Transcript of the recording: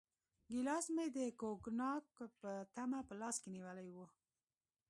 ګیلاس مې د کوګناک په تمه په لاس کې نیولی و.